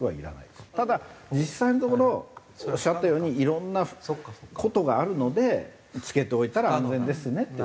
ただ実際のところおっしゃったようにいろんな事があるので着けておいたら安全ですねって。